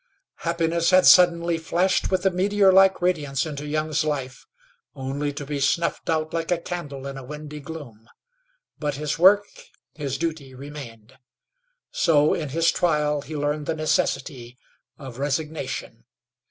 Happiness had suddenly flashed with a meteor like radiance into Young's life only to be snuffed out like a candle in a windy gloom, but his work, his duty remained. So in his trial he learned the necessity of resignation.